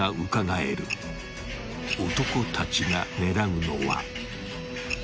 ［男たちが狙うのは］